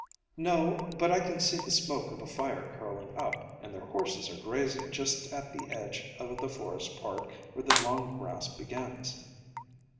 "No, but I can see the smoke of a fire curling up, and their horses are grazing just at the edge of the forest part where the long grass begins."